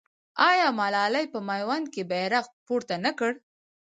آیا ملالۍ په میوند کې بیرغ پورته نه کړ؟